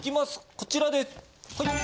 こちらです。